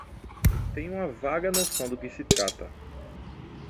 Tenho uma vaga noção do que se trata.